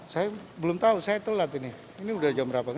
saya belum tahu saya telat ini ini udah jam berapa